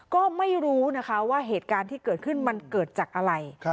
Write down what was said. ก็ไม่รู้นะคะว่าเหตุการณ์ที่เกิดขึ้นมันเกิดจากอะไร